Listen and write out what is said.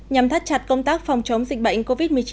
nhằm thắt chặt công tác phòng chống dịch bệnh covid một mươi chín